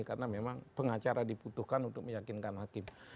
karena memang pengacara diputuhkan untuk meyakinkan hakim